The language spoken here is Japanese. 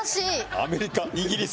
アメリカイギリス。